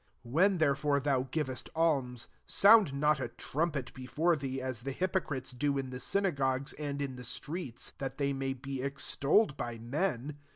2 " When therefore thou giv «8t alms, sound not a trumpet before thee, as the hypocrites do in the synagogues and in the streets, that they may be ex tolled by men.